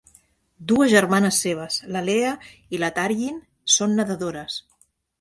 Dues germanes seves, la Leah i la Taryin, són nedadores.